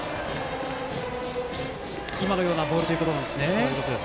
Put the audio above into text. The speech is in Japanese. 今のようなボールということですね。